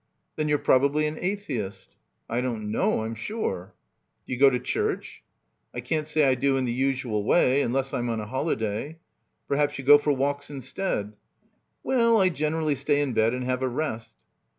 "Then you're probably an atheist." "I don't know, I'm siire." "Do you go to church?" "I can't say I do in the usual way, unless I'm on a holiday." "Perhaps you go for walks instead?" "Well, I generally stay in bed and have a rest."